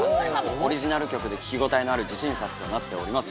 オリジナル曲で聴き応えのある自信作となってます。